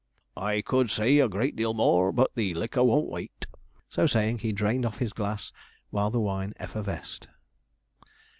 I could say a great deal more, but the liquor won't wait.' So saying, he drained off his glass while the wine effervesced.